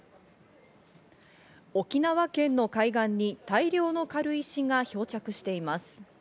沖縄県の海岸に大量の軽石が漂着しています。